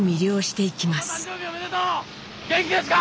元気ですか